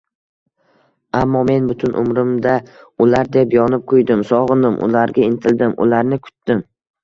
Ammo men butun umrimda ular deb yonib-kuydim, sog‘indim, ularga intildim, ularni kutdim